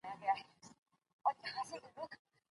تاسو به د وخت په اهمیت پوهیږئ.